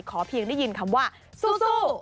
ขอเพียงได้ยินคำว่าซูซู